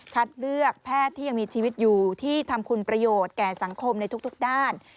เลือกแพทย์ที่ยังมีชีวิตอยู่ที่ทำคุณประโยชน์แก่สังคมในทุกด้าน